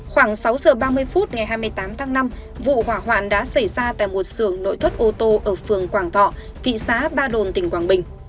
khoảng sáu giờ ba mươi phút ngày hai mươi tám tháng năm vụ hỏa hoạn đã xảy ra tại một sưởng nội thất ô tô ở phường quảng thọ thị xã ba đồn tỉnh quảng bình